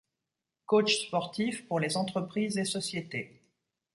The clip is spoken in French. Coach sportif pour les entreprises et sociétés.